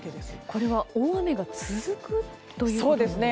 これは大雨が続くということですか。